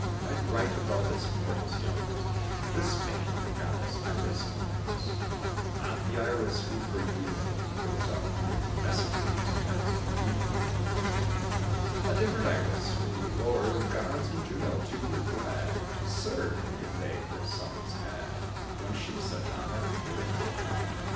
I'd write above its portal stones, "This fane the goddess Iris owns;" But not the Iris who for Juno Goes out with messages, as you know; A different Iris, whom the lord Of gods, and Juno, too, were glad To serve, if they her summons had, When she such honour would accord.